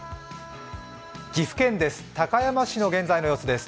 岐阜県です。